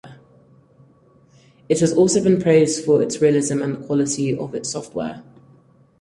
It has also been praised for its realism and the quality of its software.